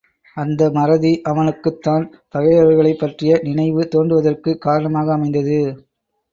அந்த மறதி அவனுக்குத் தான் பகைவர்களைப் பற்றிய நினைவு தோன்றுவதற்குக் காரணமாக அமைந்தது.